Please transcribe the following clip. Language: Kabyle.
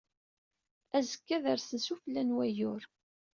Azekka ad rsen sufella n wayur.